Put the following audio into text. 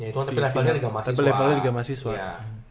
tapi levelnya juga masih swat